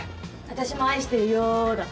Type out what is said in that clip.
私も愛してるよだ！